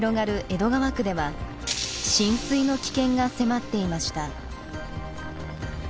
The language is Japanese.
江戸川区では浸水の危険が迫っていました。